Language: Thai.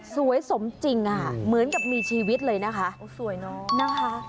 สวยสมจริงเหมือนกับมีชีวิตเลยนะคะสวยเนอะ